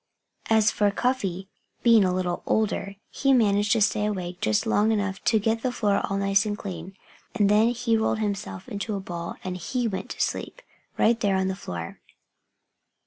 As for Cuffy, being a little older, he managed to stay awake just long enough to get the floor all nice and clean. And then he rolled himself into a ball and he went to sleep, right there on the floor.